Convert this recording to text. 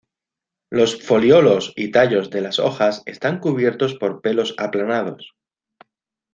Los foliolos y tallos de las hojas están cubiertos por pelos aplanados.